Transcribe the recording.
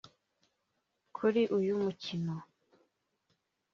Kuri uyu mukino